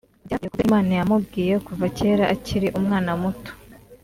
byavuye ku byo Imana yamubwiye kuva kera akiri umwana muto